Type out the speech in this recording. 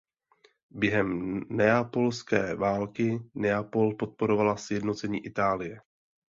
Během neapolské války Neapol podporovala sjednocení Itálie.